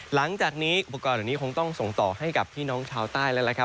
หลังจากนี้อุปกรณ์เหล่านี้คงต้องส่งต่อให้กับพี่น้องชาวใต้แล้วล่ะครับ